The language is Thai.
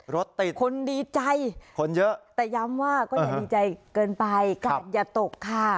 รถติดคนดีใจแต่ย้ำว่าก็อย่าดีใจเกินไปอย่าตกค่ะครับ